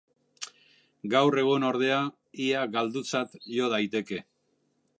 Gaur egun, ordea, ia galdutzat jo daiteke.